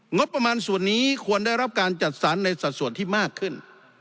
งบประมาณส่วนนี้ควรได้รับการจัดสรรในสัดส่วนที่มากขึ้น